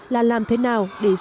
là làm thế nào để giải quyết